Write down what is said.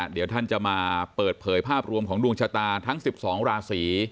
เดี๋ยวท่านจะมาเปิดเผยภาพรวมของดวงชะตาทั้ง๑๒ราศี